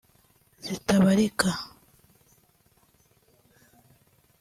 zitabarika